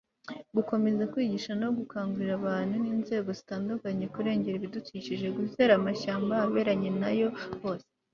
gukomeza kwigisha no gukangurira abantu n'inzego zitandukanye kurengera ibidukikije, gutera amashyamba ahaberanye nayo hose